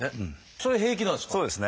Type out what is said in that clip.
それ平気なんですか？